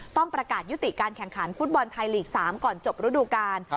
ต้องประกาศยุติการแข่งขันฟุตบอลไทยลีก๓ก่อนจบฤดูกาล